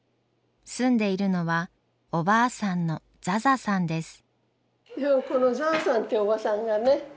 住んでいるのはおばあさんのザザさんです。